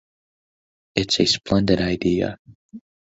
It's a splendid idea.